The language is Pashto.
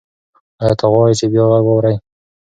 ایا ته غواړې چې بیا غږ واورې؟